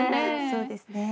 そうですね。